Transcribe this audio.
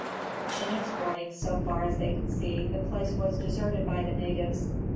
The next morning, so far as they could see, the place was deserted by the natives.